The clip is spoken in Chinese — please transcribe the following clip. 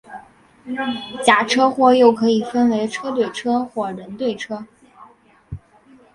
假车祸又可以分为车对车或人对车。